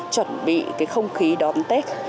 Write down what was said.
chuẩn bị cái không khí đón tết